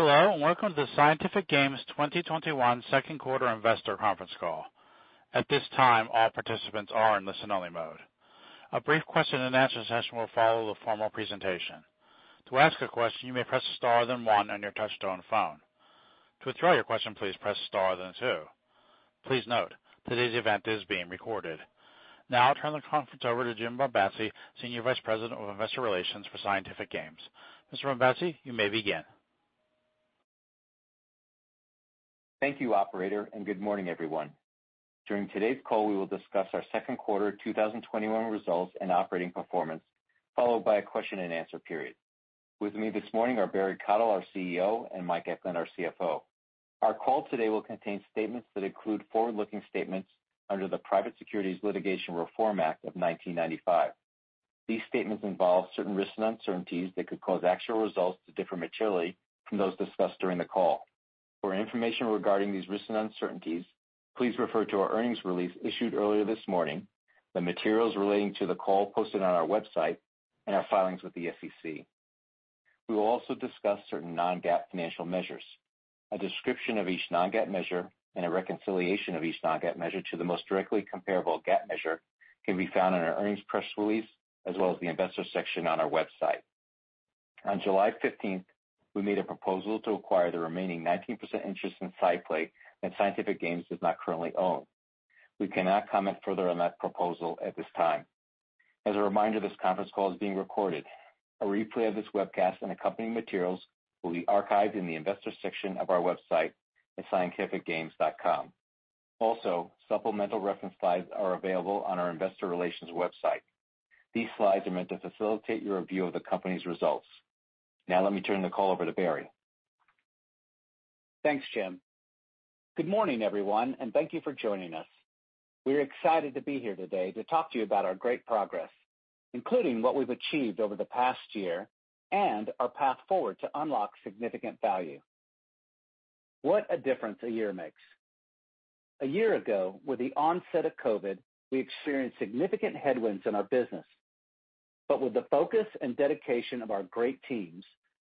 Hello, and welcome to the Scientific Games 2021 second quarter investor conference call. At this time all participants are in listen only mode. A brief question and answer session will follow the formal presentation. To ask a question, you may press star then one on your touchtone phone. To withdraw your question, please press star then two. Please note, today's event is being recorded. Now I'll turn the conference over to Jim Bombassei, Senior Vice President, Investor Relations for Scientific Games. Mr. Bombassei, you may begin. Thank you, operator, and good morning, everyone. During today's call, we will discuss our second quarter 2021 results and operating performance, followed by a question-and-answer period. With me this morning are Barry Cottle, our CEO, and Mike Eklund, our CFO. Our call today will contain statements that include forward-looking statements under the Private Securities Litigation Reform Act of 1995. These statements involve certain risks and uncertainties that could cause actual results to differ materially from those discussed during the call. For information regarding these risks and uncertainties, please refer to our earnings release issued earlier this morning, the materials relating to the call posted on our website, and our filings with the SEC. We will also discuss certain non-GAAP financial measures. A description of each non-GAAP measure and a reconciliation of each non-GAAP measure to the most directly comparable GAAP measure can be found in our earnings press release, as well as the investor section on our website. On July 15th, we made a proposal to acquire the remaining 19% interest in SciPlay that Scientific Games does not currently own. We cannot comment further on that proposal at this time. As a reminder, this conference call is being recorded. A replay of this webcast and accompanying materials will be archived in the investor section of our website at scientificgames.com. Also, supplemental reference slides are available on our investor relations website. These slides are meant to facilitate your review of the company's results. Now let me turn the call over to Barry. Thanks, Jim. Good morning, everyone, and thank you for joining us. We're excited to be here today to talk to you about our great progress, including what we've achieved over the past year and our path forward to unlock significant value. What a difference a year makes. A year ago, with the onset of COVID, we experienced significant headwinds in our business. With the focus and dedication of our great teams,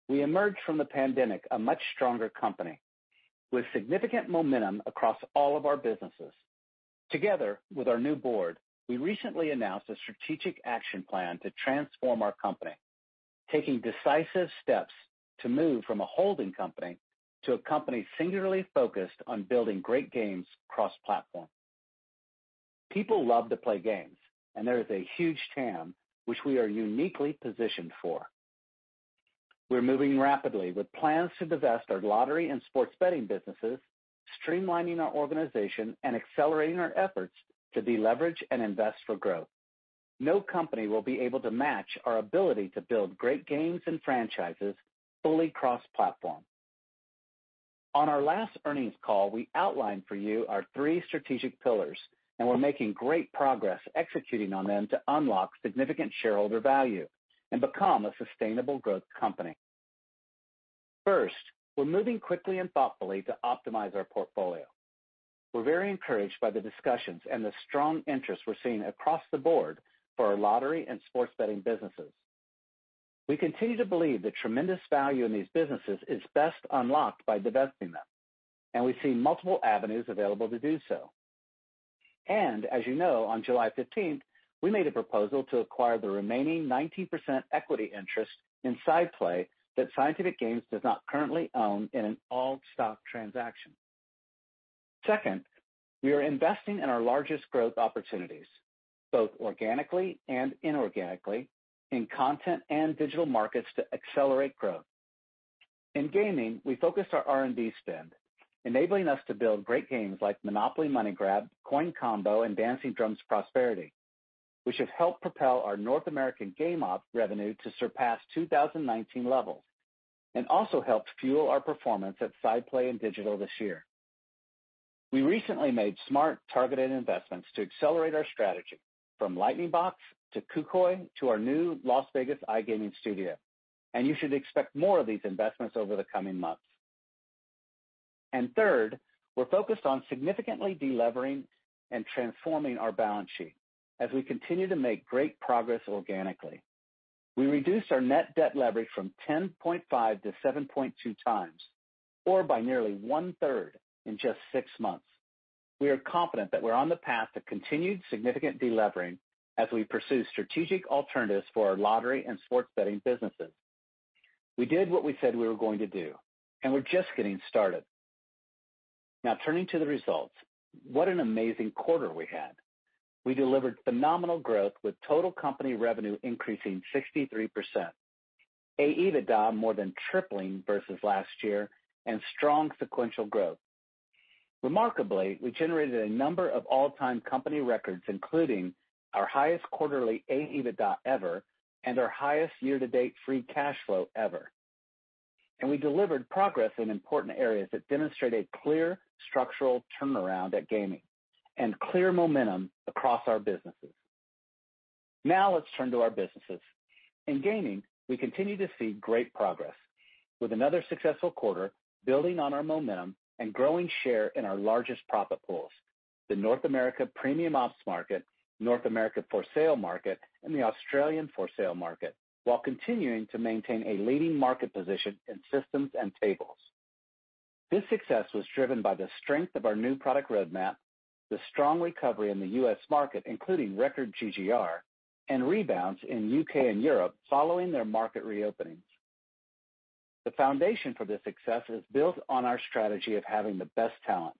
we emerged from the pandemic a much stronger company with significant momentum across all of our businesses. Together, with our new board, we recently announced a strategic action plan to transform our company, taking decisive steps to move from a holding company to a company singularly focused on building great games cross-platform. People love to play games, and there is a huge TAM which we are uniquely positioned for. We're moving rapidly with plans to divest our lottery and sports betting businesses, streamlining our organization and accelerating our efforts to deleverage and invest for growth. No company will be able to match our ability to build great games and franchises fully cross-platform. On our last earnings call, we outlined for you our three strategic pillars, and we're making great progress executing on them to unlock significant shareholder value and become a sustainable growth company. First, we're moving quickly and thoughtfully to optimize our portfolio. We're very encouraged by the discussions and the strong interest we're seeing across the board for our lottery and sports betting businesses. We continue to believe the tremendous value in these businesses is best unlocked by divesting them, and we see multiple avenues available to do so. As you know, on July 15th, we made a proposal to acquire the remaining 19% equity interest in SciPlay that Scientific Games does not currently own in an all-stock transaction. Second, we are investing in our largest growth opportunities, both organically and inorganically, in content and digital markets to accelerate growth. In gaming, we focused our R&D spend, enabling us to build great games like Monopoly Money Grab, Coin Combo, and Dancing Drums Prosperity, which have helped propel our North American game op revenue to surpass 2019 levels, and also helped fuel our performance at SciPlay and digital this year. We recently made smart, targeted investments to accelerate our strategy, from Lightning Box to Koukoi to our new Las Vegas iGaming studio. You should expect more of these investments over the coming months. Third, we're focused on significantly delevering and transforming our balance sheet as we continue to make great progress organically. We reduced our net debt leverage from 10.5 to 7.2 times, or by nearly 1/3 in just six months. We are confident that we're on the path to continued significant delevering as we pursue strategic alternatives for our lottery and sports betting businesses. We did what we said we were going to do, and we're just getting started. Now turning to the results, what an amazing quarter we had. We delivered phenomenal growth with total company revenue increasing 63%, AEBITDA more than tripling versus last year, and strong sequential growth. Remarkably, we generated a number of all-time company records, including our highest quarterly AEBITDA ever and our highest year-to-date free cash flow ever. We delivered progress in important areas that demonstrate a clear structural turnaround at gaming and clear momentum across our businesses. Let's turn to our businesses. In gaming, we continue to see great progress with another successful quarter, building on our momentum and growing share in our largest profit pools. The North America premium ops market, North America for-sale market, and the Australian for-sale market, while continuing to maintain a leading market position in systems and tables. This success was driven by the strength of our new product roadmap, the strong recovery in the U.S. market, including record GGR, and rebounds in U.K. and Europe following their market reopenings. The foundation for this success is built on our strategy of having the best talent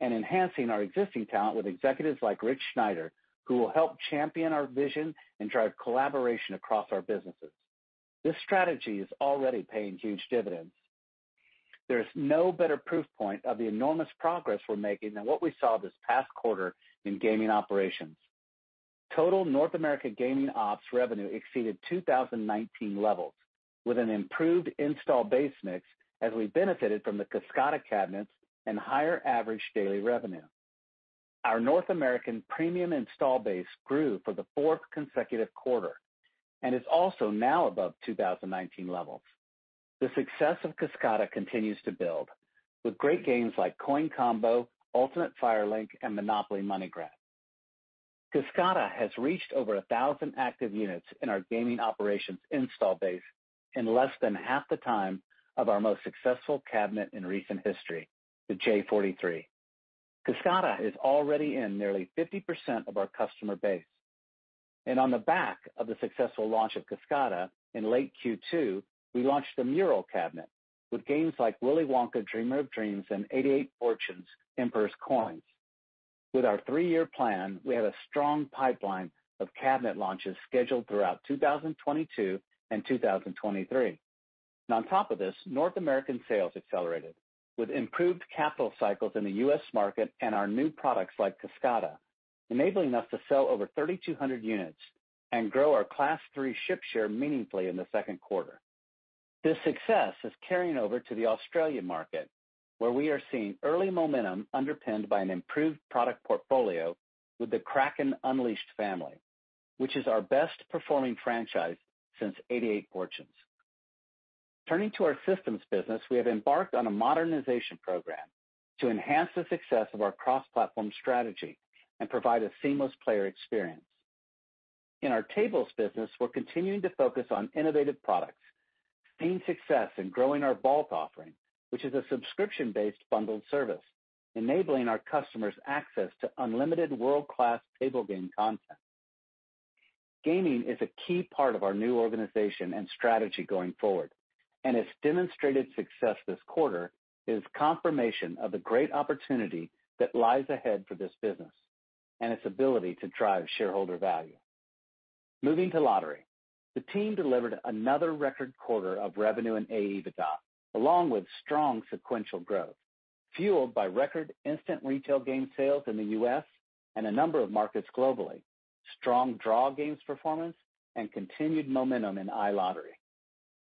and enhancing our existing talent with executives like Rich Schneider, who will help champion our vision and drive collaboration across our businesses. This strategy is already paying huge dividends. There is no better proof point of the enormous progress we're making than what we saw this past quarter in gaming operations. Total North America gaming ops revenue exceeded 2019 levels with an improved install base mix as we benefited from the Kascada cabinets and higher average daily revenue. Our North American premium install base grew for the fourth consecutive quarter and is also now above 2019 levels. The success of Kascada continues to build with great games like Coin Combo, Ultimate Fire Link, and Monopoly Money Grab. Kascada has reached over 1,000 active units in our gaming operations install base in less than half the time of our most successful cabinet in recent history, the J43. Kascada is already in nearly 50% of our customer base. On the back of the successful launch of Kascada, in late Q2, we launched the Mural cabinet with games like Willy Wonka – Dreamer of Dreams and 88 Fortunes – Emperor's Coins. With our three-year plan, we have a strong pipeline of cabinet launches scheduled throughout 2022 and 2023. On top of this, North American sales accelerated with improved capital cycles in the U.S. market and our new products like Kascada, enabling us to sell over 3,200 units and grow our Class III ship share meaningfully in the second quarter. This success is carrying over to the Australian market, where we are seeing early momentum underpinned by an improved product portfolio with the Kraken Unleashed family, which is our best-performing franchise since 88 Fortunes. Turning to our systems business, we have embarked on a modernization program to enhance the success of our cross-platform strategy and provide a seamless player experience. In our tables business, we're continuing to focus on innovative products, seeing success in growing our bulk offering, which is a subscription-based bundled service, enabling our customers access to unlimited world-class table game content. Gaming is a key part of our new organization and strategy going forward, and its demonstrated success this quarter is confirmation of the great opportunity that lies ahead for this business and its ability to drive shareholder value. Moving to lottery, the team delivered another record quarter of revenue and AEBITDA, along with strong sequential growth, fueled by record instant retail game sales in the U.S. and a number of markets globally, strong draw games performance, and continued momentum in iLottery.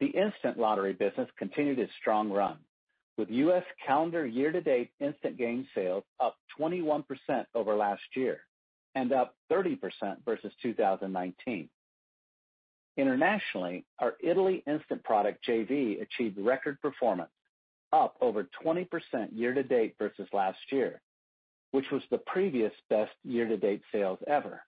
The instant lottery business continued its strong run with U.S. calendar year-to-date instant game sales up 21% over last year and up 30% versus 2019. Internationally, our Italy instant product JV achieved record performance, up over 20% year-to-date versus last year, which was the previous best year-to-date sales ever.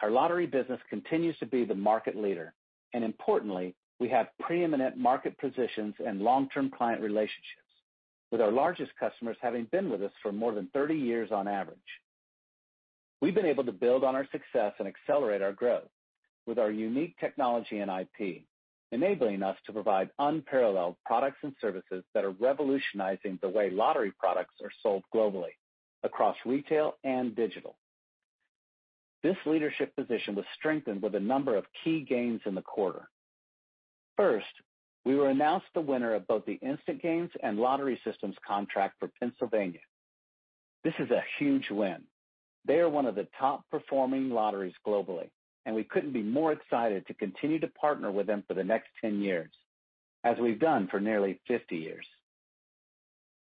Our lottery business continues to be market leader. Importantly, we have preeminent market positions and long-term client relationships with our largest customers having been with us for more than 30 years on average. We've been able to build on our success and accelerate our growth with our unique technology and IP, enabling us to provide unparalleled products and services that are revolutionizing the way lottery products are sold globally across retail and digital. This leadership position was strengthened with a number of key gains in the quarter. First, we were announced the winner of both the instant games and lottery systems contract for Pennsylvania. This is a huge win. They are one of the top-performing lotteries globally. We couldn't be more excited to continue to partner with them for the next 10 years, as we've done for nearly 50 years.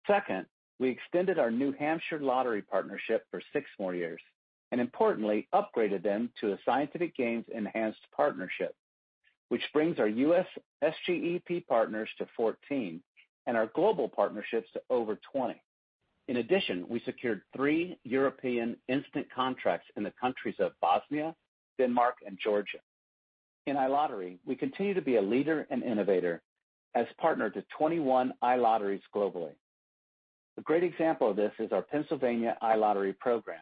Second, we extended our New Hampshire Lottery partnership for six more years and importantly upgraded them to a Scientific Games Enhanced Partnership, which brings our U.S. SGEP partners to 14 and our global partnerships to over 20. In addition, we secured three European instant contracts in the countries of Bosnia, Denmark, and Georgia. In iLottery, we continue to be a leader and innovator as partner to 21 iLotteries globally. A great example of this is our Pennsylvania iLottery program,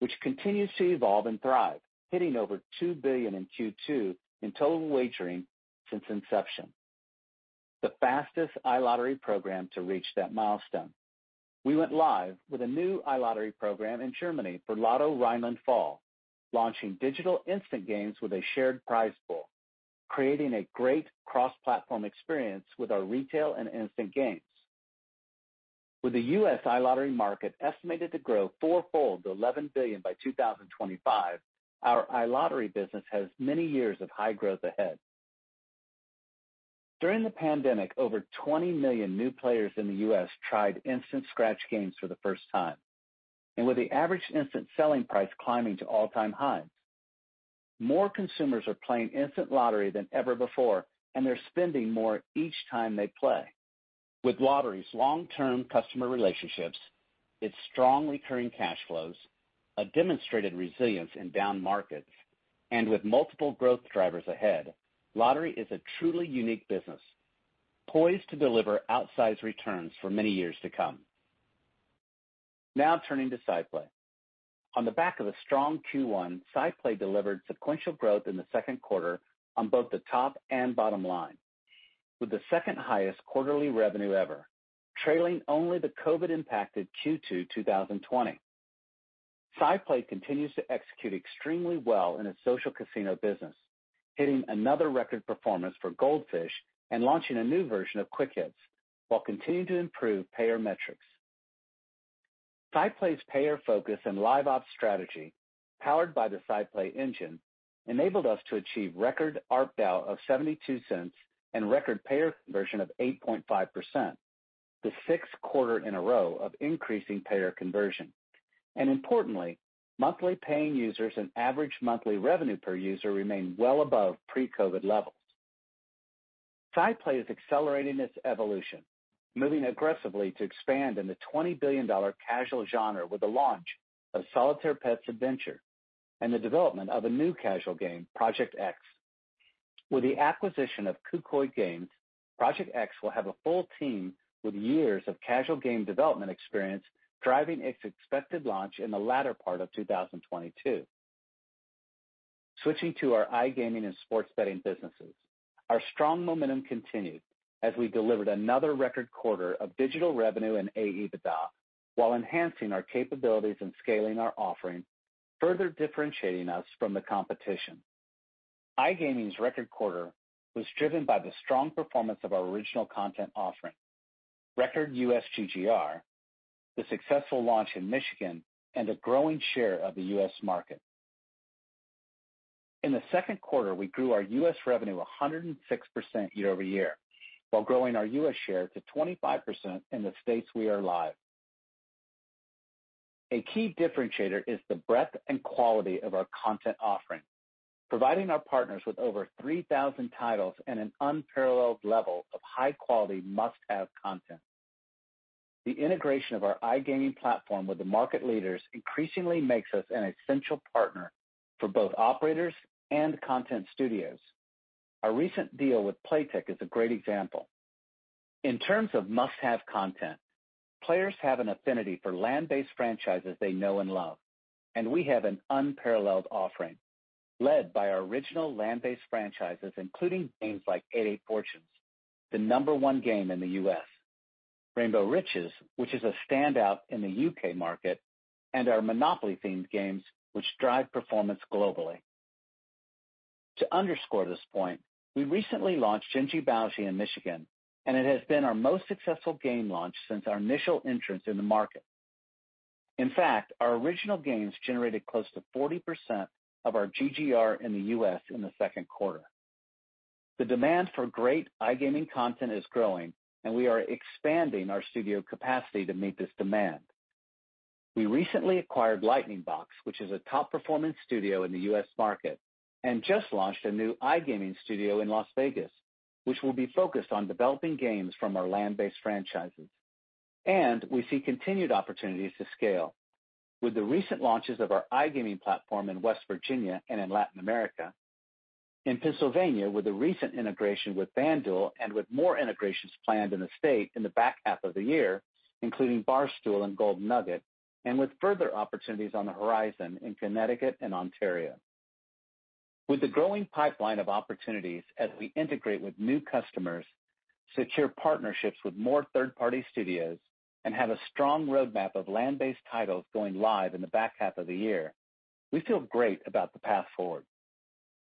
which continues to evolve and thrive, hitting over $2 billion in Q2 in total wagering since inception, the fastest iLottery program to reach that milestone. We went live with a new iLottery program in Germany for Lotto Rheinland-Pfalz, launching digital instant games with a shared prize pool, creating a great cross-platform experience with our retail and instant games. With the U.S. iLottery market estimated to grow four-fold to $11 billion by 2025, our iLottery business has many years of high growth ahead. During the pandemic, over 20 million new players in the U.S. tried instant scratch games for the first time. With the average instant selling price climbing to all-time highs. More consumers are playing instant lottery than ever before, and they're spending more each time they play. With lottery's long-term customer relationships, its strong recurring cash flows, a demonstrated resilience in down markets and with multiple growth drivers ahead, lottery is a truly unique business, poised to deliver outsized returns for many years to come. Now turning to SciPlay. On the back of a strong Q1, SciPlay delivered sequential growth in the second quarter on both the top and bottom line, with the second highest quarterly revenue ever, trailing only the COVID-impacted Q2 2020. SciPlay continues to execute extremely well in its social casino business, hitting another record performance for Gold Fish and launching a new version of Quick Hits, while continuing to improve payer metrics. SciPlay's payer focus and live ops strategy, powered by the SciPlay Engine, enabled us to achieve record ARPDAU of $0.72 and record payer conversion of 8.5%, the sixth quarter in a row of increasing payer conversion. Importantly, monthly paying users and average monthly revenue per user remain well above pre-COVID levels. SciPlay is accelerating its evolution, moving aggressively to expand in the $20 billion casual genre with the launch of Solitaire Pets Adventure and the development of a new casual game, Project X. With the acquisition of Koukoi Games, Project X will have a full team with years of casual game development experience driving its expected launch in the latter part of 2022. Switching to our iGaming and sports betting businesses. Our strong momentum continued as we delivered another record quarter of digital revenue and AEBITDA while enhancing our capabilities and scaling our offering, further differentiating us from the competition. iGaming's record quarter was driven by the strong performance of our original content offering, record U.S. GGR, the successful launch in Michigan, and a growing share of the U.S. market. In the second quarter, we grew our U.S. revenue 106% year-over-year, while growing our U.S. share to 25% in the states we are live. A key differentiator is the breadth and quality of our content offering, providing our partners with over 3,000 titles and an unparalleled level of high-quality, must-have content. The integration of our iGaming platform with the market leaders increasingly makes us an essential partner for both operators and content studios. Our recent deal with Playtech is a great example. In terms of must-have content, players have an affinity for land-based franchises they know and love, and we have an unparalleled offering led by our original land-based franchises, including games like 88 Fortunes, the number one game in the U.S., Rainbow Riches, which is a standout in the U.K. market, and our Monopoly-themed games, which drive performance globally. To underscore this point, we recently launched Jin Ji Bao Xi in Michigan. It has been our most successful game launch since our initial entrance in the market. In fact, our original games generated close to 40% of our GGR in the U.S. in the second quarter. The demand for great iGaming content is growing. We are expanding our studio capacity to meet this demand. We recently acquired Lightning Box, which is a top-performance studio in the U.S. market. Just launched a new iGaming studio in Las Vegas, which will be focused on developing games from our land-based franchises. We see continued opportunities to scale with the recent launches of our iGaming platform in West Virginia and in Latin America, in Pennsylvania with the recent integration with FanDuel and with more integrations planned in the state in the back half of the year, including Barstool and Golden Nugget, and with further opportunities on the horizon in Connecticut and Ontario. With a growing pipeline of opportunities as we integrate with new customers, secure partnerships with more third-party studios, and have a strong roadmap of land-based titles going live in the back half of the year, we feel great about the path forward.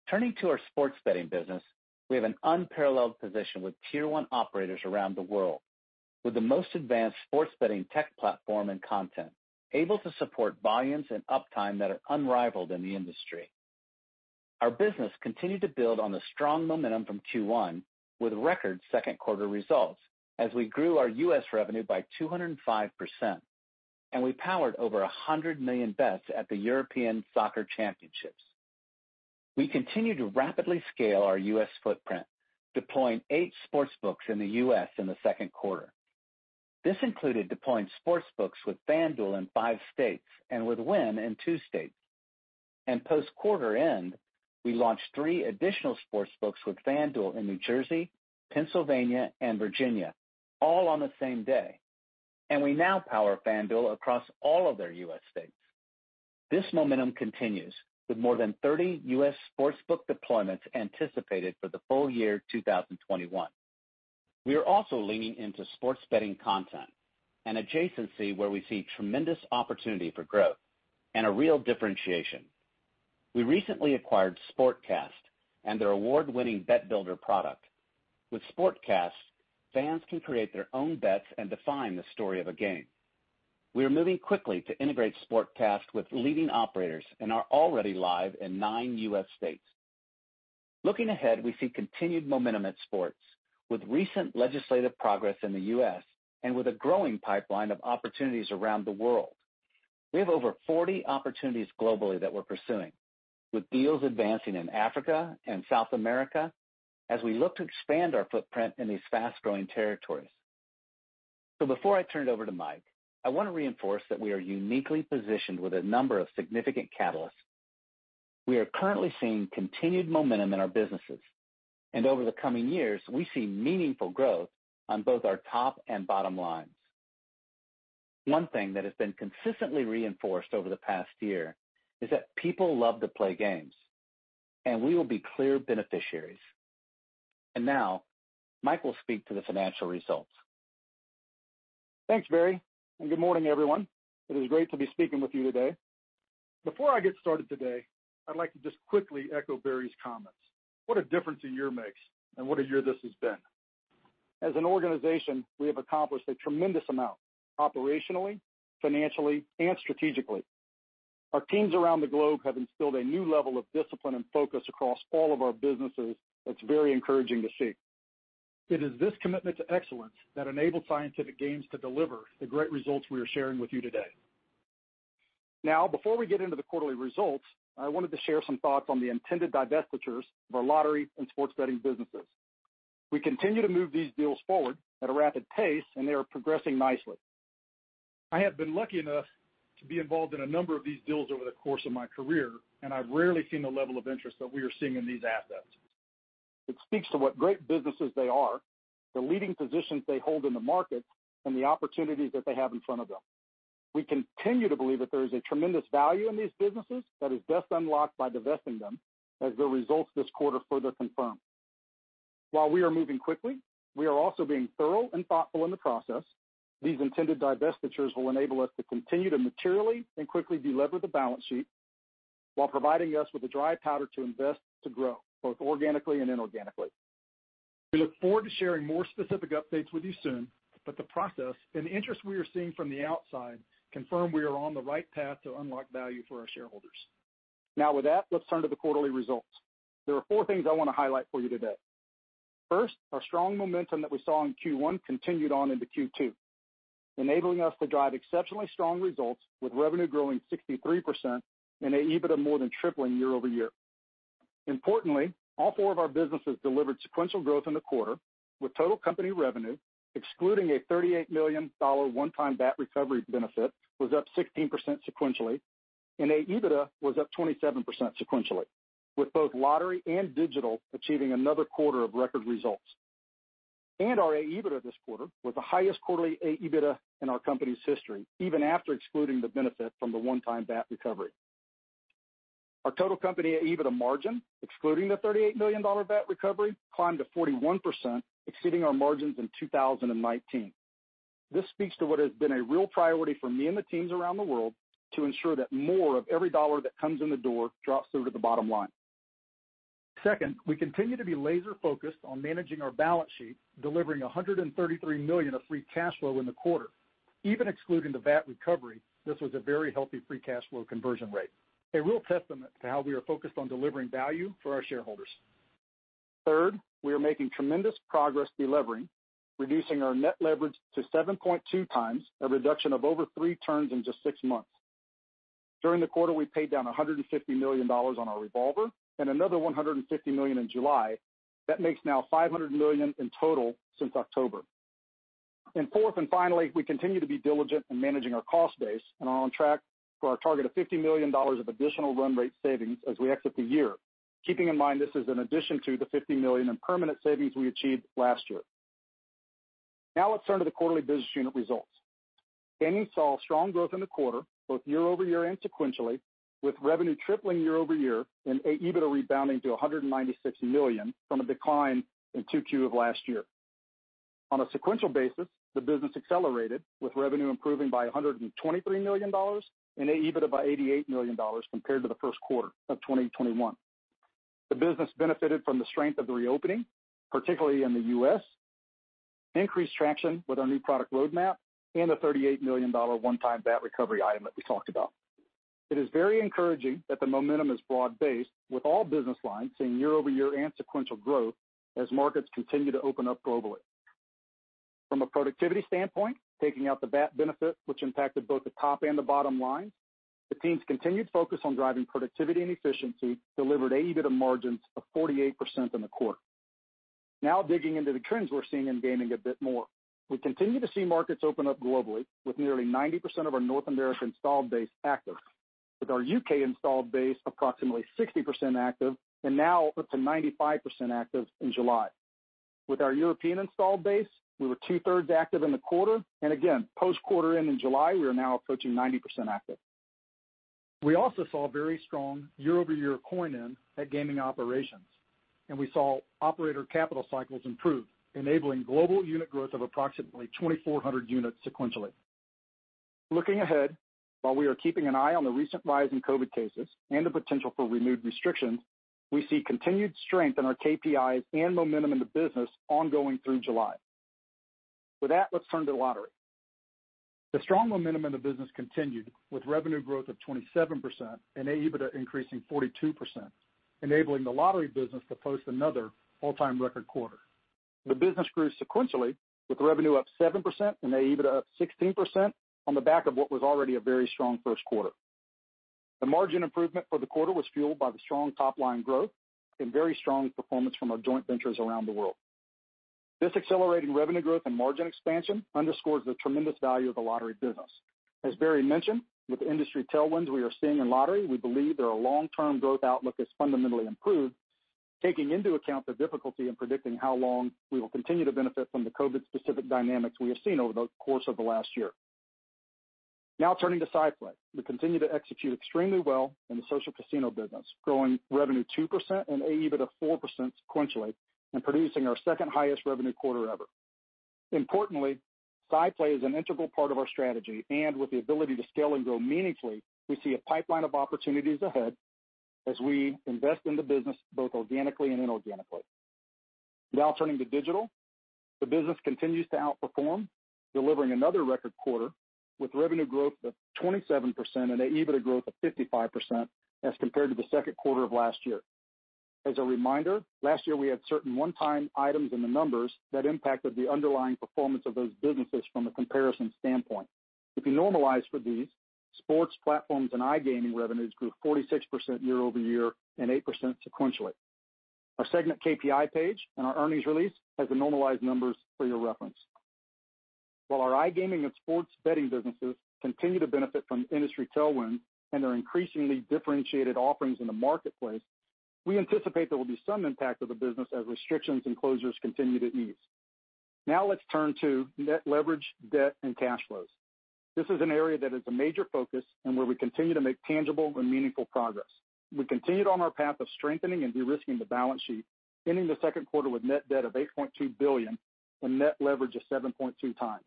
Turning to our sports betting business, we have an unparalleled position with tier one operators around the world, with the most advanced sports betting tech platform and content, able to support volumes and uptime that are unrivaled in the industry. Our business continued to build on the strong momentum from Q1 with record second quarter results as we grew our U.S. revenue by 205%, and we powered over 100 million bets at the UEFA Euro 2020. We continue to rapidly scale our U.S. footprint, deploying eight sportsbooks in the U.S. in the second quarter. This included deploying sportsbooks with FanDuel in five states and with Wynn in two states. Post quarter end, we launched three additional sportsbooks with FanDuel in New Jersey, Pennsylvania, and Virginia, all on the same day. We now power FanDuel across all of their U.S. states. This momentum continues with more than 30 U.S. sportsbook deployments anticipated for the full year 2021. We are also leaning into sports betting content, an adjacency where we see tremendous opportunity for growth and a real differentiation. We recently acquired SportCast and their award-winning BetBuilder product. With SportCast, fans can create their own bets and define the story of a game. We are moving quickly to integrate SportCast with leading operators and are already live in nine U.S. states. Looking ahead, we see continued momentum at sports with recent legislative progress in the U.S. and with a growing pipeline of opportunities around the world. We have over 40 opportunities globally that we're pursuing, with deals advancing in Africa and South America as we look to expand our footprint in these fast-growing territories. Before I turn it over to Mike, I want to reinforce that we are uniquely positioned with a number of significant catalysts. We are currently seeing continued momentum in our businesses. Over the coming years, we see meaningful growth on both our top and bottom lines. One thing that has been consistently reinforced over the past year is that people love to play games, and we will be clear beneficiaries. Now, Mike will speak to the financial results. Thanks, Barry. Good morning, everyone. It is great to be speaking with you today. Before I get started today, I'd like to just quickly echo Barry's comments. What a difference a year makes. What a year this has been. As an organization, we have accomplished a tremendous amount operationally, financially, and strategically. Our teams around the globe have instilled a new level of discipline and focus across all of our businesses that's very encouraging to see. It is this commitment to excellence that enabled Scientific Games to deliver the great results we are sharing with you today. Before we get into the quarterly results, I wanted to share some thoughts on the intended divestitures of our lottery and sports betting businesses. We continue to move these deals forward at a rapid pace. They are progressing nicely. I have been lucky enough to be involved in a number of these deals over the course of my career, and I've rarely seen the level of interest that we are seeing in these assets. It speaks to what great businesses they are, the leading positions they hold in the market, and the opportunities that they have in front of them. We continue to believe that there is a tremendous value in these businesses that is best unlocked by divesting them, as the results this quarter further confirm. While we are moving quickly, we are also being thorough and thoughtful in the process. These intended divestitures will enable us to continue to materially and quickly delever the balance sheet while providing us with the dry powder to invest, to grow, both organically and inorganically. We look forward to sharing more specific updates with you soon, but the process and the interest we are seeing from the outside confirm we are on the right path to unlock value for our shareholders. Now with that, let's turn to the quarterly results. There are four things I want to highlight for you today. First, our strong momentum that we saw in Q1 continued on into Q2, enabling us to drive exceptionally strong results with revenue growing 63% and AEBITDA more than tripling year-over-year. Importantly, all four of our businesses delivered sequential growth in the quarter, with total company revenue, excluding a $38 million one-time VAT recovery benefit, was up 16% sequentially, and AEBITDA was up 27% sequentially, with both lottery and digital achieving another quarter of record results. Our AEBITDA this quarter was the highest quarterly AEBITDA in our company's history, even after excluding the benefit from the one-time VAT recovery. Our total company AEBITDA margin, excluding the $38 million VAT recovery, climbed to 41%, exceeding our margins in 2019. This speaks to what has been a real priority for me and the teams around the world to ensure that more of every dollar that comes in the door drops through to the bottom line. Second, we continue to be laser-focused on managing our balance sheet, delivering $133 million of free cash flow in the quarter. Even excluding the VAT recovery, this was a very healthy free cash flow conversion rate, a real testament to how we are focused on delivering value for our shareholders. Third, we are making tremendous progress delevering, reducing our net leverage to 7.2 times, a reduction of over three turns in just six months. During the quarter, we paid down $150 million on our revolver and another $150 million in July. That makes now $500 million in total since October. Fourth, and finally, we continue to be diligent in managing our cost base and are on track for our target of $50 million of additional run rate savings as we exit the year. Keeping in mind, this is in addition to the $50 million in permanent savings we achieved last year. Now let's turn to the quarterly business unit results. Gaming saw strong growth in the quarter, both year-over-year and sequentially, with revenue tripling year-over-year and AEBITDA rebounding to $196 million from a decline in Q2 of last year. On a sequential basis, the business accelerated, with revenue improving by $123 million and AEBITDA by $88 million compared to the first quarter of 2021. The business benefited from the strength of the reopening, particularly in the U.S., increased traction with our new product roadmap, and a $38 million one-time VAT recovery item that we talked about. It is very encouraging that the momentum is broad-based, with all business lines seeing year-over-year and sequential growth as markets continue to open up globally. From a productivity standpoint, taking out the VAT benefit, which impacted both the top and the bottom line, the team's continued focus on driving productivity and efficiency delivered AEBITDA margins of 48% in the quarter. Digging into the trends we're seeing in gaming a bit more. We continue to see markets open up globally, with nearly 90% of our North American installed base active, with our U.K. installed base approximately 60% active and now up to 95% active in July. With our European installed base, we were 2/3 active in the quarter. Again, post-quarter and in July, we are now approaching 90% active. We also saw very strong year-over-year coin-in at gaming operations. We saw operator capital cycles improve, enabling global unit growth of approximately 2,400 units sequentially. Looking ahead, while we are keeping an eye on the recent rise in COVID cases and the potential for renewed restrictions, we see continued strength in our KPIs and momentum in the business ongoing through July. With that, let's turn to lottery. The strong momentum in the business continued with revenue growth of 27% and AEBITDA increasing 42%, enabling the lottery business to post another all-time record quarter. The business grew sequentially with revenue up 7% and AEBITDA up 16% on the back of what was already a very strong first quarter. The margin improvement for the quarter was fueled by the strong top-line growth and very strong performance from our joint ventures around the world. This accelerating revenue growth and margin expansion underscores the tremendous value of the lottery business. As Barry mentioned, with industry tailwinds we are seeing in lottery, we believe their long-term growth outlook has fundamentally improved, taking into account the difficulty in predicting how long we will continue to benefit from the COVID-specific dynamics we have seen over the course of the last year. Now turning to SciPlay. We continue to execute extremely well in the social casino business, growing revenue 2% and AEBITDA 4% sequentially and producing our second highest revenue quarter ever. Importantly, SciPlay is an integral part of our strategy, and with the ability to scale and grow meaningfully, we see a pipeline of opportunities ahead as we invest in the business both organically and inorganically. Turning to digital. The business continues to outperform, delivering another record quarter, with revenue growth of 27% and AEBITDA growth of 55% as compared to the second quarter of last year. As a reminder, last year we had certain one-time items in the numbers that impacted the underlying performance of those businesses from a comparison standpoint. If you normalize for these, sports platforms and iGaming revenues grew 46% year-over-year and 8% sequentially. Our segment KPI page and our earnings release has the normalized numbers for your reference. While our iGaming and sports betting businesses continue to benefit from industry tailwinds and their increasingly differentiated offerings in the marketplace, we anticipate there will be some impact of the business as restrictions and closures continue to ease. Now let's turn to net leverage, debt, and cash flows. This is an area that is a major focus and where we continue to make tangible and meaningful progress. We continued on our path of strengthening and de-risking the balance sheet, ending the second quarter with net debt of $8.2 billion and net leverage of 7.2 times,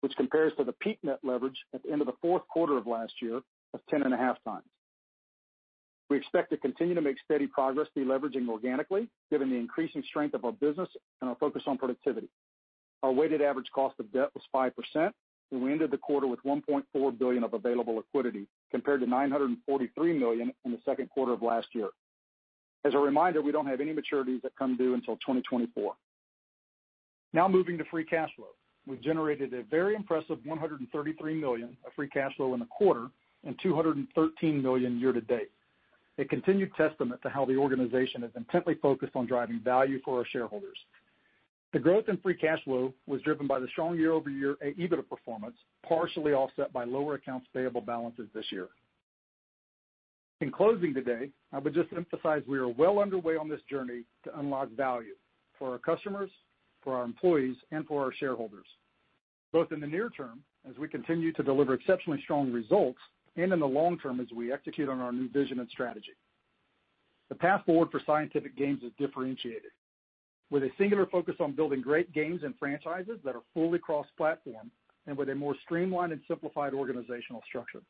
which compares to the peak net leverage at the end of the fourth quarter of last year of 10.5 times. We expect to continue to make steady progress de-leveraging organically, given the increasing strength of our business and our focus on productivity. Our weighted average cost of debt was 5%, and we ended the quarter with $1.4 billion of available liquidity, compared to $943 million in the second quarter of last year. As a reminder, we don't have any maturities that come due until 2024. Now moving to free cash flow. We generated a very impressive $133 million of free cash flow in the quarter and $213 million year to date. A continued testament to how the organization is intently focused on driving value for our shareholders. The growth in free cash flow was driven by the strong year-over-year AEBITDA performance, partially offset by lower accounts payable balances this year. In closing today, I would just emphasize we are well underway on this journey to unlock value for our customers, for our employees and for our shareholders, both in the near term as we continue to deliver exceptionally strong results and in the long term as we execute on our new vision and strategy. The path forward for Scientific Games is differentiated with a singular focus on building great games and franchises that are fully cross-platform and with a more streamlined and simplified organizational structure.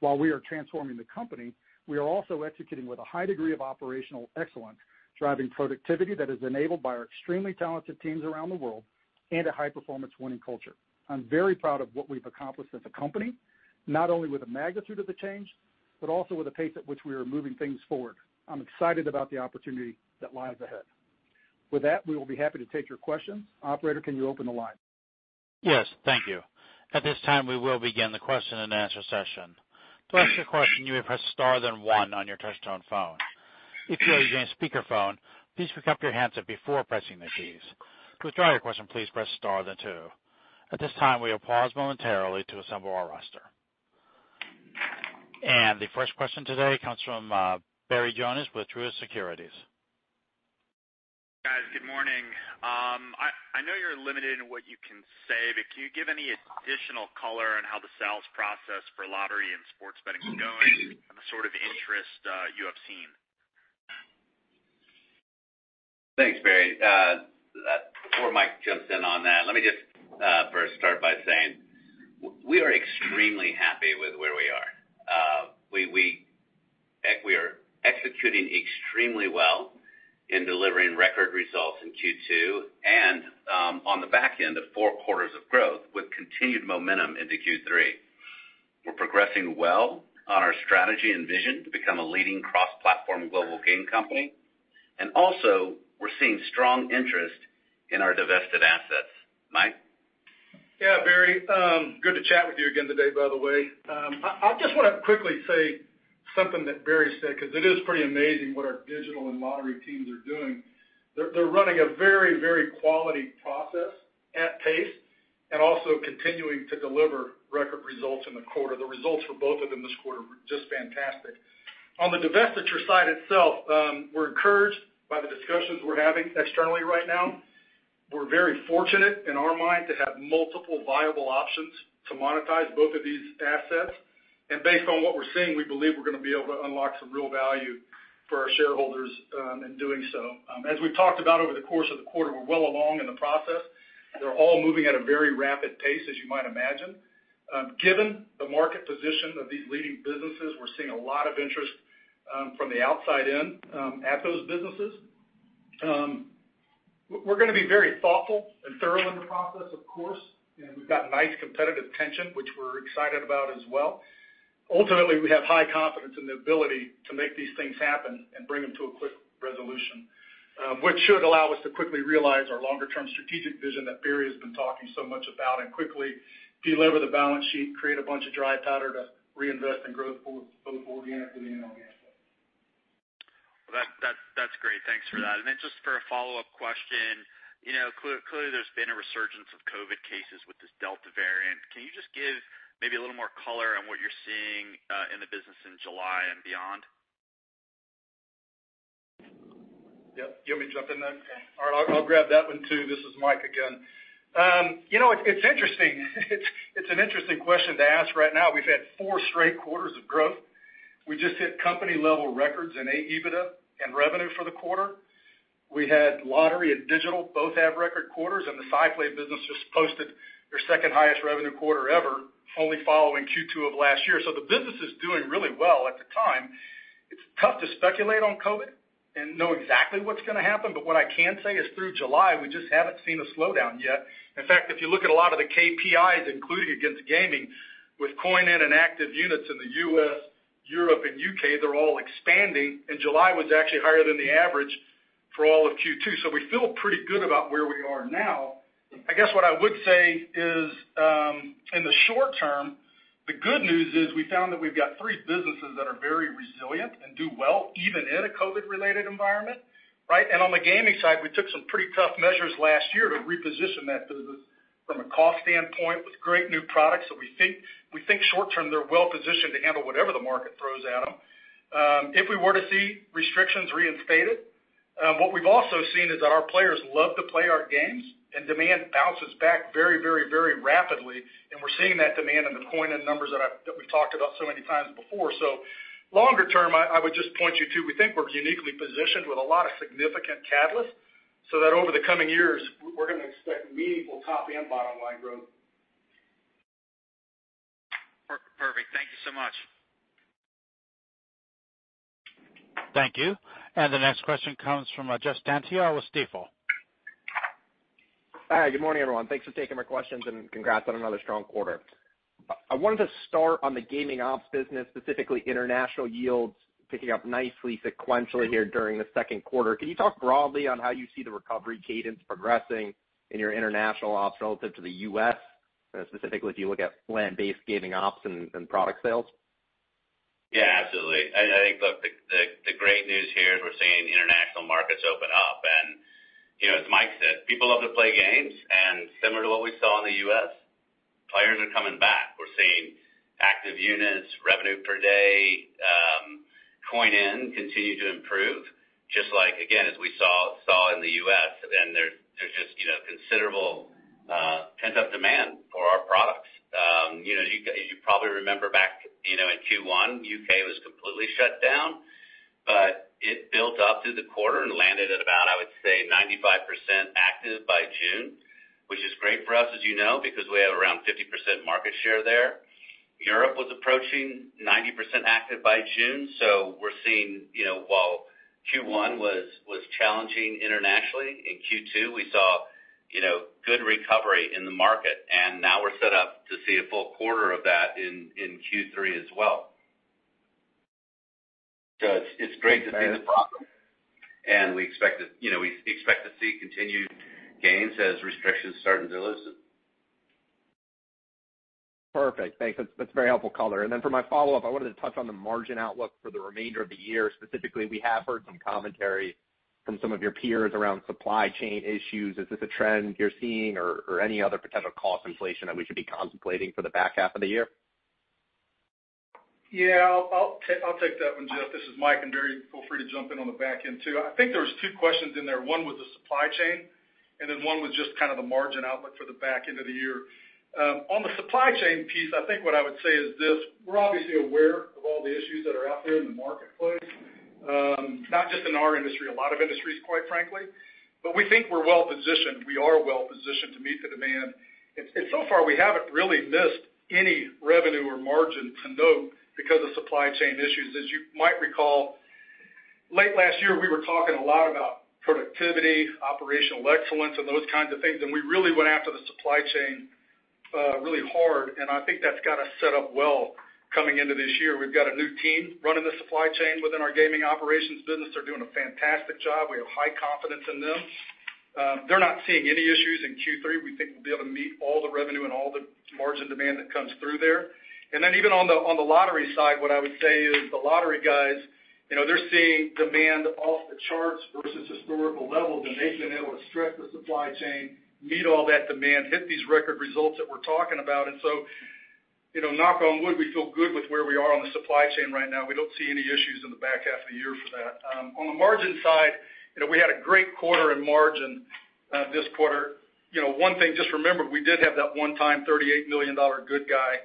While we are transforming the company, we are also executing with a high degree of operational excellence, driving productivity that is enabled by our extremely talented teams around the world and a high-performance winning culture. I'm very proud of what we've accomplished as a company, not only with the magnitude of the change, but also with the pace at which we are moving things forward. I'm excited about the opportunity that lies ahead. With that, we will be happy to take your questions. Operator, can you open the line? Yes. Thank you. At this time, we will begin the question-and-answer session. To ask a question, you may press star then one on your touchtone phone. If you are using a speakerphone, please pick up your handset before pressing the keys. To withdraw your question, please press star then two. At this time, we will pause momentarily to assemble our roster. The first question today comes from Barry Jonas with Truist Securities. Guys, good morning. I know you're limited in what you can say, can you give any additional color on how the sales process for lottery and sports betting is going and the sort of interest you have seen? Thanks, Barry. Before Mike jumps in on that, let me just first start by saying we are extremely happy with where we are. We are executing extremely well in delivering record results in Q2 and on the back end of four quarters of growth with continued momentum into Q3. We're progressing well on our strategy and vision to become a leading cross-platform global game company. Also, we're seeing strong interest in our divested assets. Mike? Yeah, Barry. Good to chat with you again today, by the way. I just want to quickly say something that Barry said, because it is pretty amazing what our digital and lottery teams are doing. They're running a very quality process at pace and also continuing to deliver record results in the quarter. The results for both of them this quarter were just fantastic. On the divestiture side itself, we're encouraged by the discussions we're having externally right now. We're very fortunate in our mind to have multiple viable options to monetize both of these assets. Based on what we're seeing, we believe we're going to be able to unlock some real value for our shareholders in doing so. As we've talked about over the course of the quarter, we're well along in the process. They're all moving at a very rapid pace, as you might imagine. Given the market position of these leading businesses, we're seeing a lot of interest from the outside in at those businesses. We're going to be very thoughtful and thorough in the process, of course, and we've got nice competitive tension, which we're excited about as well. Ultimately, we have high confidence in the ability to make these things happen and bring them to a quick resolution, which should allow us to quickly realize our longer-term strategic vision that Barry has been talking so much about, and quickly delever the balance sheet, create a bunch of dry powder to reinvest in growth, both organically and inorganically. Well, that's great. Thanks for that. Just for a follow-up question, clearly there's been a resurgence of COVID cases with this Delta variant. Can you just give maybe a little more color on what you're seeing in the business in July and beyond? Yep. You want me to jump in then? Sure. All right. I'll grab that one too. This is Mike again. It's an interesting question to ask right now. We've had four straight quarters of growth. We just hit company-level records in AEBITDA and revenue for the quarter. We had lottery and digital both have record quarters, and the SciPlay business just posted their second highest revenue quarter ever, only following Q2 of last year. The business is doing really well at the time. It's tough to speculate on COVID and know exactly what's going to happen, but what I can say is through July, we just haven't seen a slowdown yet. In fact, if you look at a lot of the KPIs, including against gaming, with coin-in and active units in the U.S., Europe, and U.K., they're all expanding, and July was actually higher than the average for all of Q2. We feel pretty good about where we are now. I guess what I would say is, in the short term, the good news is we found that we've got three businesses that are very resilient and do well even in a COVID-related environment, right? On the gaming side, we took some pretty tough measures last year to reposition that business from a cost standpoint with great new products. We think short term, they're well positioned to handle whatever the market throws at them. If we were to see restrictions reinstated, what we've also seen is that our players love to play our games and demand bounces back very rapidly, and we're seeing that demand in the coin-in numbers that we've talked about so many times before. Longer term, I would just point you to, we think we're uniquely positioned with a lot of significant catalysts, so that over the coming years, we're going to expect meaningful top and bottom-line growth. Perfect. Thank you so much. Thank you. The next question comes from Jeff Stantial with Stifel. Hi. Good morning, everyone. Thanks for taking my questions and congrats on another strong quarter. I wanted to start on the gaming ops business, specifically international yields picking up nicely sequentially here during the second quarter. Can you talk broadly on how you see the recovery cadence progressing in your international ops relative to the U.S., specifically if you look at land-based gaming ops and product sales? Yeah, absolutely. I think, look, the great news here is we're seeing international markets open up and as Mike said, people love to play games, and similar to what we saw in the U.S., players are coming back. We're seeing active units, revenue per day, coin-in continue to improve, just like, again, as we saw in the U.S. There's just considerable pent-up demand for our products. You probably remember back in Q1, U.K. was completely shut down. It built up through the quarter and landed at about, I would say, 95% active by June, which is great for us, as you know, because we have around 50% market share there. Europe was approaching 90% active by June. We're seeing while Q1 was challenging internationally, in Q2, we saw good recovery in the market, and now we're set up to see a full quarter of that in Q3 as well. It's great to see the progress, and we expect to see continued gains as restrictions start to loosen. Perfect. Thanks. That's very helpful color. For my follow-up, I wanted to touch on the margin outlook for the remainder of the year. Specifically, we have heard some commentary from some of your peers around supply chain issues. Is this a trend you're seeing or any other potential cost inflation that we should be contemplating for the back half of the year? Yeah. I'll take that one, Jeff. This is Mike, and Barry, feel free to jump in on the back end, too. I think there was two questions in there. One was the supply chain, and then one was just kind of the margin outlook for the back end of the year. On the supply chain piece, I think what I would say is this, we're obviously aware of all the issues that are out there in the marketplace. Not just in our industry, a lot of industries, quite frankly, we think we're well positioned. We are well positioned to meet the demand. So far, we haven't really missed any revenue or margin to note because of supply chain issues. As you might recall, late last year, we were talking a lot about productivity, operational excellence, and those kinds of things, and we really went after the supply chain really hard, and I think that's got us set up well coming into this year. We've got a new team running the supply chain within our gaming operations business. They're doing a fantastic job. We have high confidence in them. They're not seeing any issues in Q3. We think we'll be able to meet all the revenue and all the margin demand that comes through there. Even on the lottery side, what I would say is the lottery guys, they're seeing demand off the charts versus historical levels, and they've been able to stretch the supply chain, meet all that demand, hit these record results that we're talking about. Knock on wood, we feel good with where we are on the supply chain right now. We don't see any issues in the back half of the year for that. On the margin side, we had a great quarter in margin this quarter. One thing, just remember, we did have that one-time $38 million good guy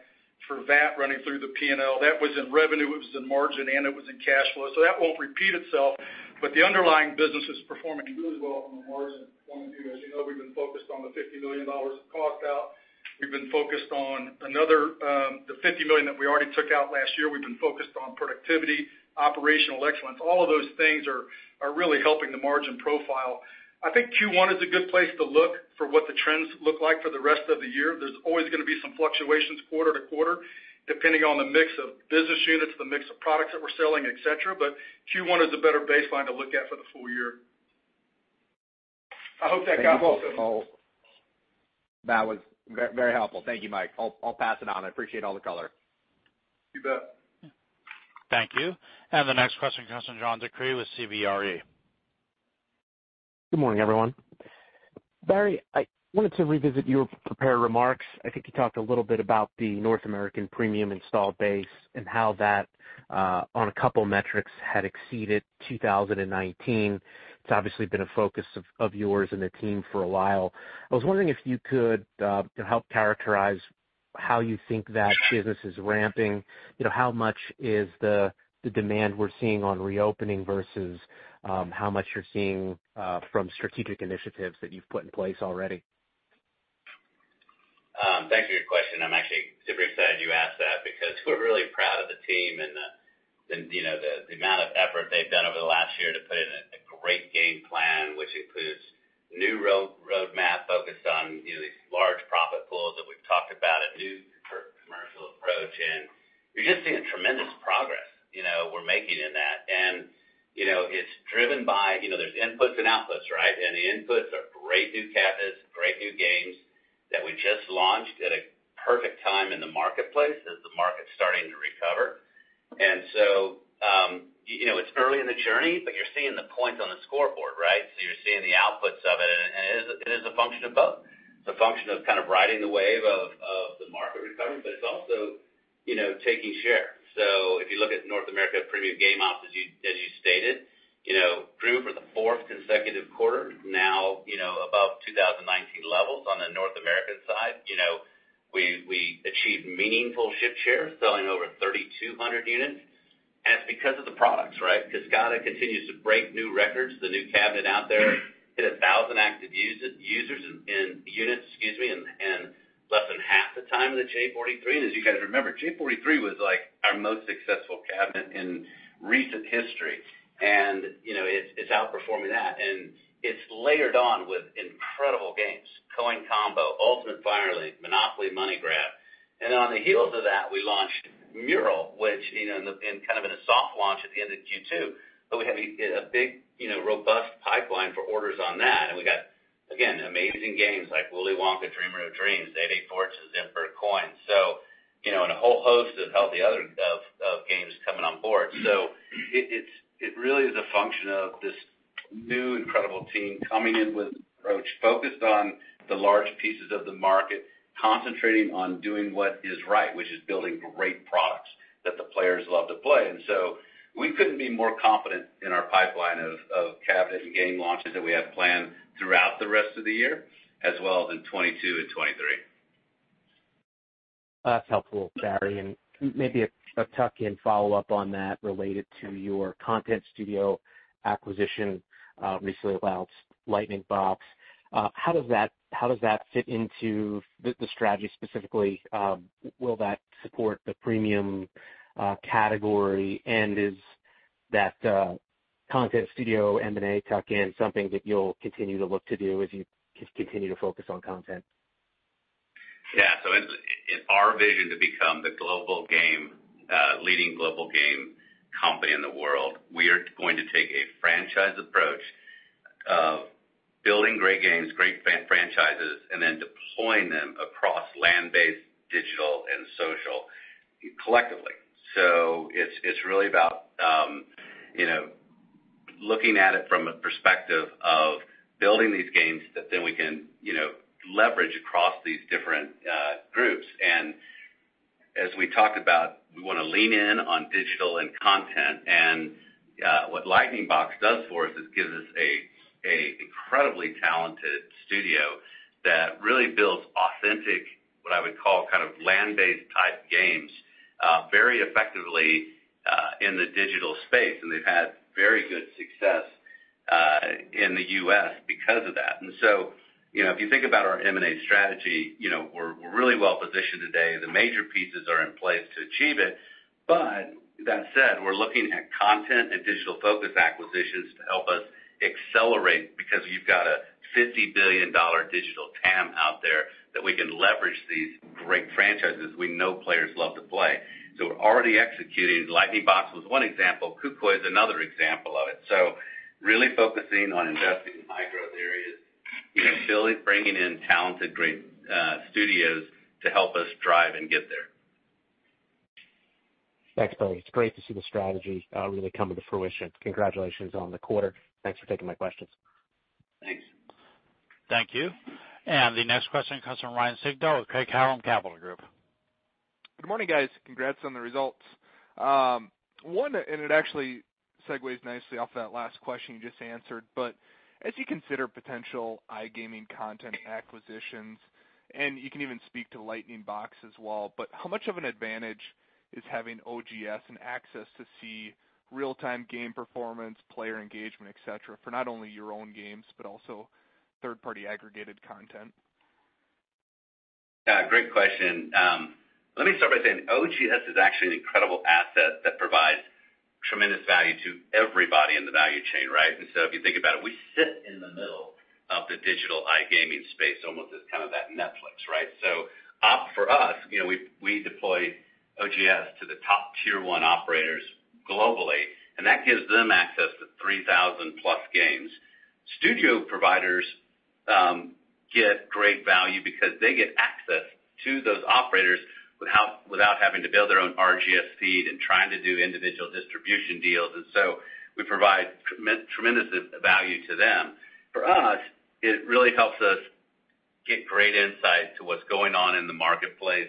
for VAT running through the P&L. That was in revenue, it was in margin, and it was in cash flow. That won't repeat itself, but the underlying business is performing really well from a margin point of view. As you know, we've been focused on the $50 million of cost out. We've been focused on the $50 million that we already took out last year. We've been focused on productivity, operational excellence. All of those things are really helping the margin profile. I think Q1 is a good place to look for what the trends look like for the rest of the year. There's always going to be some fluctuations quarter to quarter, depending on the mix of business units, the mix of products that we're selling, et cetera. Q1 is a better baseline to look at for the full year. I hope that got most of them. That was very helpful. Thank you, Mike. I'll pass it on. I appreciate all the color. You bet. Thank you. The next question comes from John DeCree with CBRE. Good morning, everyone. Barry, I wanted to revisit your prepared remarks. I think you talked a little bit about the North American premium installed base and how that, on a couple of metrics, had exceeded 2019. It's obviously been a focus of yours and the team for a while. I was wondering if you could help characterize how you think that business is ramping. How much is the demand we're seeing on reopening versus how much you're seeing from strategic initiatives that you've put in place already? Thank you for your question. I'm actually super excited you asked that because we're really proud of the team and the amount of effort they've done over the last year to put in a great game plan, which includes a new roadmap focused on these large profit pools that we've talked about, a new commercial approach, and we're just seeing tremendous progress we're making in that. It's driven by, there's inputs and outputs, right. The inputs are great new cabinets, great new games that we just launched at a perfect time in the marketplace as the market's starting to recover. It's early in the journey, but you're seeing the points on the scoreboard, right. You're seeing the outputs of it, and it is a function of both. It's a function of kind of riding the wave of the market recovery, but it's also taking share. If you look at North America premium game ops, as you stated, grew for the fourth consecutive quarter. Above 2019 levels on the North American side. We achieved meaningful ship share, selling over 3,200 units, it's because of the products, right. Kascada continues to break new records. The new cabinet out there hit 1,000 active units in less than half the time than J43. As you guys remember, J43 was our most successful cabinet in recent history. It's outperforming that, and it's layered on with incredible games. Coin Combo, Ultimate Fire Link, Monopoly Money Grab. Then on the heels of that, we launched Mural, which in kind of in a soft launch at the end of Q2, but we have a big robust pipeline for orders on that, and we got, again, amazing games like Willy Wonka – Dreamer of Dreams, 88 Fortunes, Emperor's Coins, and a whole host of healthy other games coming on board. It really is a function of this new incredible team coming in with an approach focused on the large pieces of the market, concentrating on doing what is right, which is building great products that the players love to play. We couldn't be more confident in our pipeline of cabinet and game launches that we have planned throughout the rest of the year, as well as in 2022 and 2023. That's helpful, Barry. Maybe a tuck-in follow-up on that related to your Content Studio acquisition, recently announced Lightning Box. How does that fit into the strategy specifically? Will that support the premium category? Is that Content Studio M&A tuck-in something that you'll continue to look to do as you continue to focus on content? Yeah. In our vision to become the leading global game company in the world, we are going to take a franchise approach of building great games, great franchises, and then deploying them across land-based, digital, and social collectively. It's really about looking at it from a perspective of building these games that then we can leverage across these different groups. As we talked about, we want to lean in on digital and content. What Lightning Box does for us is gives us an incredibly talented studio that really builds authentic, what I would call kind of land-based type games, very effectively in the digital space, and they've had very good success in the U.S. because of that. If you think about our M&A strategy, we're really well positioned today. The major pieces are in place to achieve it. That said, we're looking at content and digital focus acquisitions to help us accelerate because you've got a $50 billion digital TAM out there that we can leverage these great franchises we know players love to play. We're already executing. Lightning Box was one example. Koukoi is another example of it. Really focusing on investing in high-growth areas, bringing in talented, great studios to help us drive and get there. Thanks, Barry. It's great to see the strategy really coming to fruition. Congratulations on the quarter. Thanks for taking my questions. Thanks. Thank you. The next question comes from Ryan Sigdahl with Craig-Hallum Capital Group. Good morning, guys. Congrats on the results. One, it actually segues nicely off of that last question you just answered, but as you consider potential iGaming content acquisitions, and you can even speak to Lightning Box as well, but how much of an advantage is having OGS and access to see real-time game performance, player engagement, et cetera, for not only your own games but also third-party aggregated content? Yeah, great question. Let me start by saying OGS is actually an incredible asset that provides tremendous value to everybody in the value chain, right. If you think about it, we sit in the middle of the digital iGaming space, almost as kind of that Netflix, right. For us, we deploy OGS to the top tier one operators globally, and that gives them access to 3,000+ games. Studio providers get great value because they get access to those operators without having to build their own RGS feed and trying to do individual distribution deals. We provide tremendous value to them. For us, it really helps us get great insight to what's going on in the marketplace.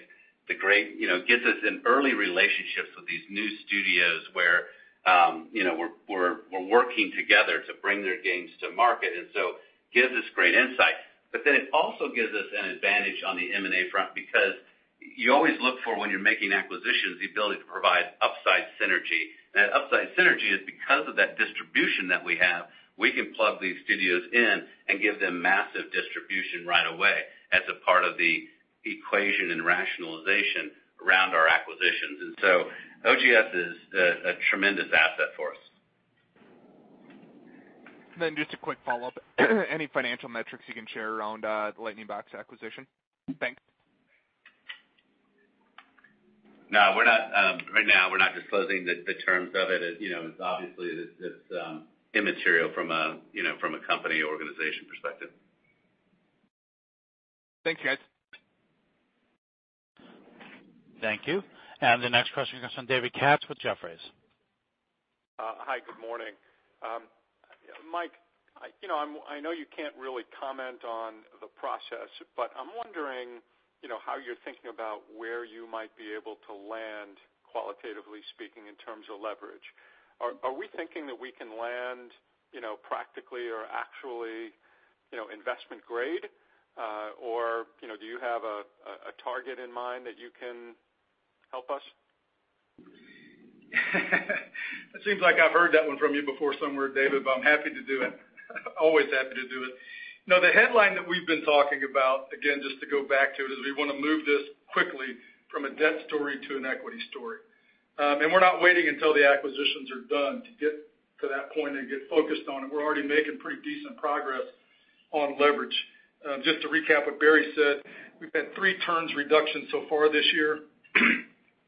It gets us in early relationships with these new studios where we're working together to bring their games to market. It gives us great insight. It also gives us an advantage on the M&A front because you always look for when you're making acquisitions, the ability to provide upside synergy. That upside synergy is because of that distribution that we have. We can plug these studios in and give them massive distribution right away as a part of the equation and rationalization around our acquisitions. OGS is a tremendous asset for us. Just a quick follow-up. Any financial metrics you can share around the Lightning Box acquisition? Thanks. No, right now we're not disclosing the terms of it. Obviously, it's immaterial from a company organization perspective. Thank you, guys. Thank you. The next question comes from David Katz with Jefferies. Hi, good morning. Mike, I know you can't really comment on the process, I'm wondering how you're thinking about where you might be able to land qualitatively speaking in terms of leverage. Are we thinking that we can land practically or actually investment grade? Do you have a target in mind that you can help us? It seems like I've heard that one from you before somewhere, David, but I'm happy to do it. Always happy to do it. The headline that we've been talking about, again, just to go back to it, is we want to move this quickly from a debt story to an equity story. We're not waiting until the acquisitions are done to get to that point and get focused on it. We're already making pretty decent progress on leverage. Just to recap what Barry said, we've had three turns reduction so far this year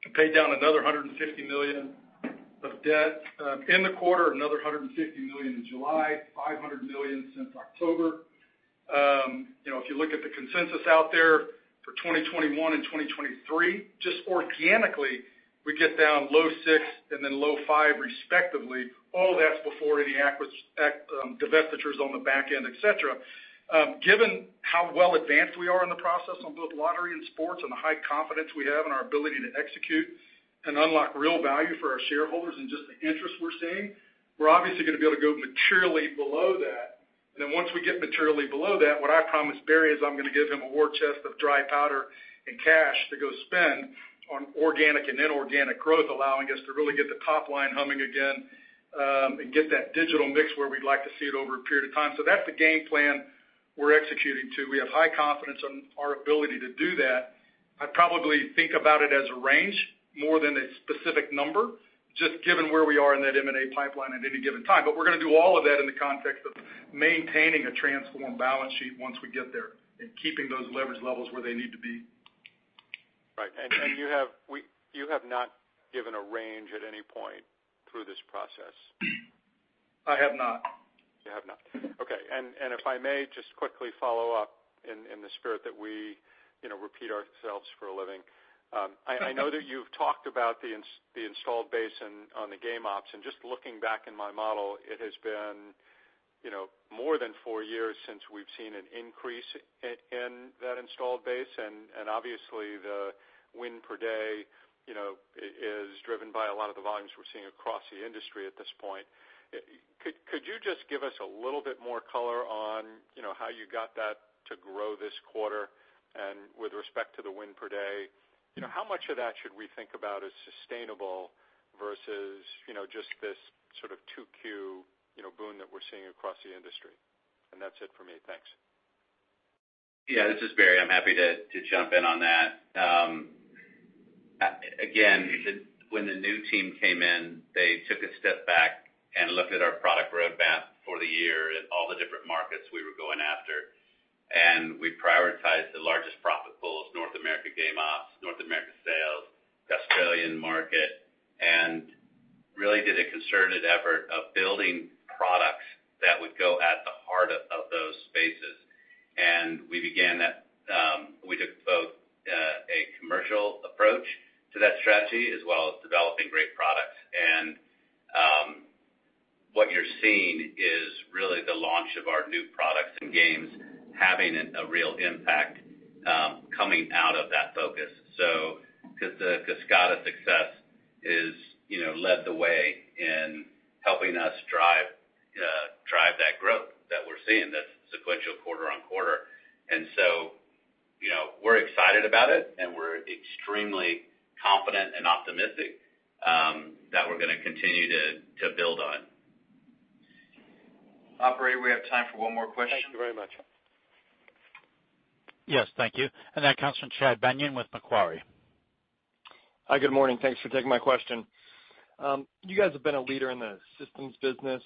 to pay down another $150 million of debt in the quarter, another $150 million in July, $500 million since October. If you look at the consensus out there for 2021 and 2023, just organically, we get down low six and then low five respectively. All that's before any divestitures on the back end, et cetera. Given how well advanced we are in the process on both lottery and sports and the high confidence we have in our ability to execute and unlock real value for our shareholders and just the interest we're seeing, we're obviously going to be able to go materially below that. Once we get materially below that, what I promised Barry is I'm going to give him a war chest of dry powder and cash to go spend on organic and inorganic growth, allowing us to really get the top line humming again, and get that digital mix where we'd like to see it over a period of time. That's the game plan we're executing to. We have high confidence in our ability to do that. I'd probably think about it as a range more than a specific number, just given where we are in that M&A pipeline at any given time. We're going to do all of that in the context of maintaining a transformed balance sheet once we get there and keeping those leverage levels where they need to be. Right. You have not given a range at any point through this process? I have not. You have not. Okay. If I may just quickly follow up in the spirit that we repeat ourselves for a living. I know that you've talked about the installed base on the game ops, and just looking back in my model, it has been more than four years since we've seen an increase in that installed base, and obviously the win per day is driven by a lot of the volumes we're seeing across the industry at this point. Could you just give us a little bit more color on how you got that to grow this quarter? With respect to the win per day, how much of that should we think about as sustainable versus just this sort of 2Q boon that we're seeing across the industry? That's it for me. Thanks. Yeah. This is Barry. I'm happy to jump in on that. Again, when the new team came in, they took a step back and looked at our product roadmap for the year and all the different markets we were going after, and we prioritized the largest profit pools, North America game ops, North America sales, Australian market, and really did a concerted effort of building products that would go at the heart of those spaces. We took both a commercial approach to that strategy as well as developing great products. What you're seeing is really the launch of our new products and games having a real impact coming out of that focus. The Kascada success has led the way in helping us drive that growth that we're seeing that's sequential quarter-on-quarter. We're excited about it, and we're extremely confident and optimistic that we're going to continue to build on. Operator, we have time for one more question. Thank you very much. Yes. Thank you. That comes from Chad Beynon with Macquarie. Hi. Good morning. Thanks for taking my question. You guys have been a leader in the systems business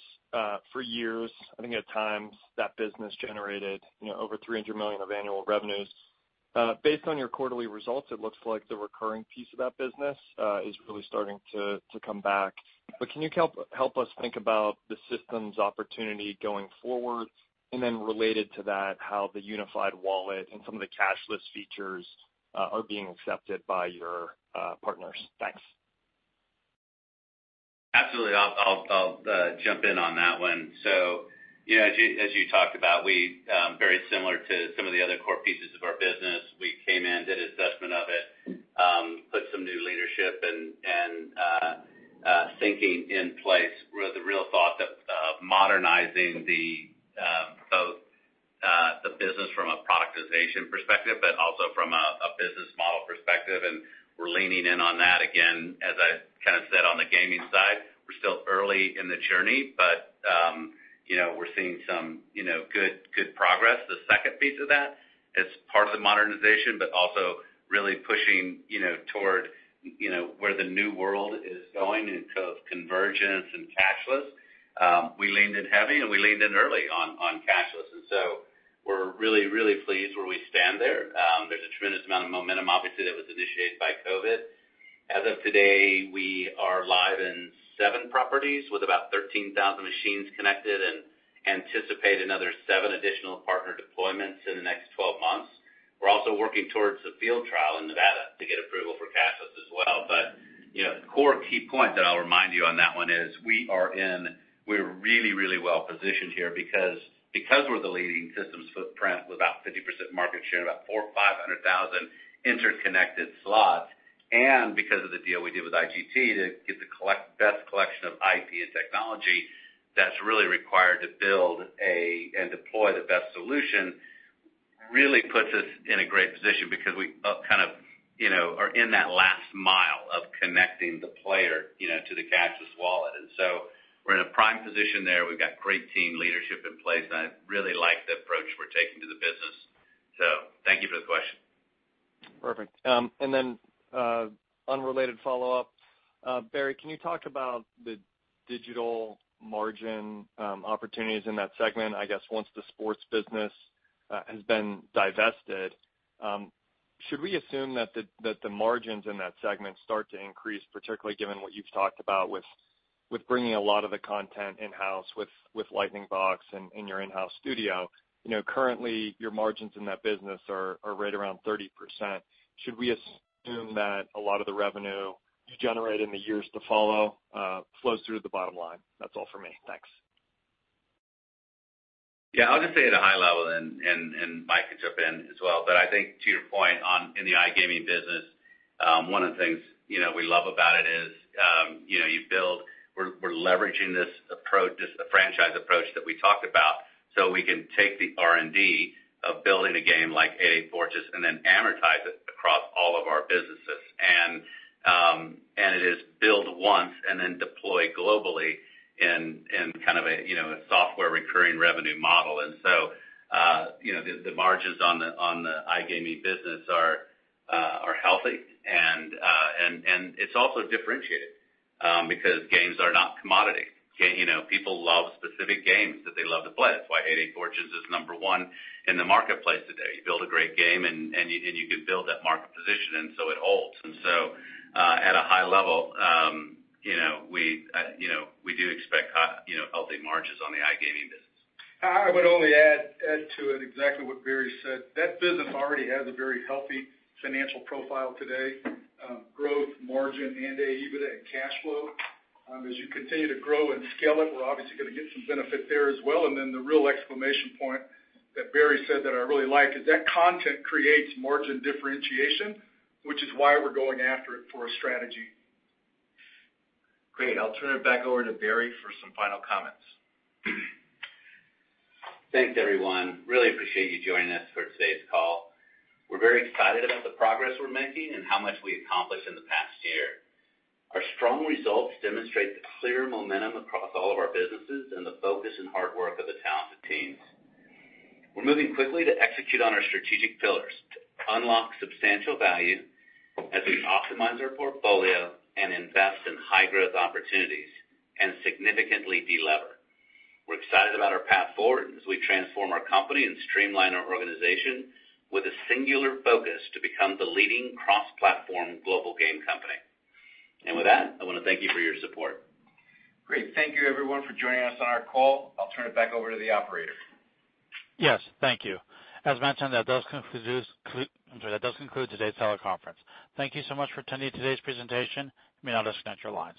for years. I think at times that business generated over $300 million of annual revenues. Based on your quarterly results, it looks the recurring piece of that business is really starting to come back. Can you help us think about the systems opportunity going forward? Related to that, how the unified wallet and some of the cashless features are being accepted by your partners? Thanks. Absolutely. I'll jump in on that one. As you talked about, very similar to some of the other core pieces of our business, we came in, did an assessment of it, put some new leadership and thinking in place with the real thought of modernizing both the business from a productization perspective, but also from a business model perspective, and we're leaning in on that. Again, as I kind of said on the gaming side, we're still early in the journey, but we're seeing some good progress. The second piece of that is part of the modernization, but also really pushing toward where the new world is going in terms of convergence and cashless. We leaned in heavy and we leaned in early on cashless, and so we're really, really pleased where we stand there. There's a tremendous amount of momentum, obviously, that was initiated by COVID. As of today, we are live in seven properties with about 13,000 machines connected and anticipate another seven additional partner deployments in the next 12 months. We're also working towards a field trial in Nevada to get approval for cashless as well. The core key point that I'll remind you on that one is we're really, really well positioned here because we're the leading systems footprint with about 50% market share and about 400,000, 500,000 interconnected slots. Because of the deal we did with IGT to get the best collection of IP and technology that's really required to build and deploy the best solution, really puts us in a great position because we kind of are in that last mile of connecting the player to the cashless wallet. We're in a prime position there. We've got great team leadership in place, and I really like the approach we're taking to the business. Thank you for the question. Perfect. Then, unrelated follow-up. Barry, can you talk about the digital margin opportunities in that segment? I guess once the sports business has been divested, should we assume that the margins in that segment start to increase, particularly given what you've talked about with bringing a lot of the content in-house with Lightning Box and in your in-house studio? Currently, your margins in that business are right around 30%. Should we assume that a lot of the revenue you generate in the years to follow flows through to the bottom line? That's all for me. Thanks. Yeah. I'll just say at a high level, and Mike can jump in as well, but I think to your point in the iGaming business, one of the things we love about it is we're leveraging this franchise approach that we talked about so we can take the R&D of building a game like 88 Fortunes and then amortize it across all of our businesses. It is build once and then deploy globally in kind of a software recurring revenue model. The margins on the iGaming business are healthy and it's also differentiated because games are not commodity. People love specific games that they love to play. That's why 88 Fortunes is number one in the marketplace today. You build a great game and you can build that market position, and so it holds. At a high level, we do expect healthy margins on the iGaming business. I would only add to it exactly what Barry said. That business already has a very healthy financial profile today, growth, margin, and EBITDA, and cash flow. As you continue to grow and scale it, we're obviously going to get some benefit there as well. The real exclamation point that Barry said that I really like is that content creates margin differentiation, which is why we're going after it for a strategy. Great. I'll turn it back over to Barry for some final comments. Thanks, everyone. Really appreciate you joining us for today's call. We're very excited about the progress we're making and how much we accomplished in the past year. Our strong results demonstrate the clear momentum across all of our businesses and the focus and hard work of the talented teams. We're moving quickly to execute on our strategic pillars to unlock substantial value as we optimize our portfolio and invest in high-growth opportunities and significantly delever. We're excited about our path forward as we transform our company and streamline our organization with a singular focus to become the leading cross-platform global game company. With that, I want to thank you for your support. Great. Thank you everyone for joining us on our call. I'll turn it back over to the operator. Yes. Thank you. As mentioned, that does conclude today's teleconference. Thank you so much for attending today's presentation. You may now disconnect your lines.